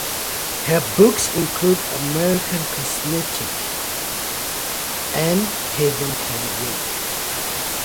Her books include "American Cosmic" and "Heaven Can Wait".